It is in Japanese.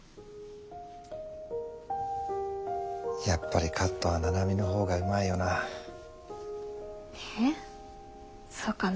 やっぱりカットは七海の方がうまいよなあ。